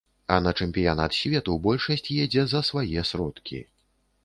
А на чэмпіянат свету большасць едзе за свае сродкі.